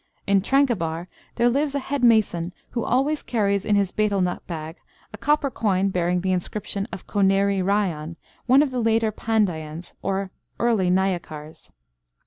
In Tranquebar there lives a head mason, who always carries in his betel nut bag a copper coin bearing the inscription of Koneri Rayan, one of the later Pandyans or early Nayakars.